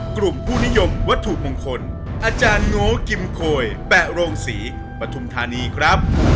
กลุ่มผู้นิยมวัตถุมงคลอาจารย์โง่กิมโคยแปะโรงศรีปฐุมธานีครับ